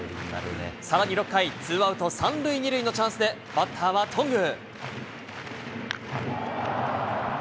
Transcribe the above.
さらに６回、ツーアウト３塁２塁のチャンスで、バッターは頓宮。